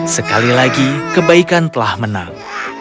sekali lagi kebaikan telah menang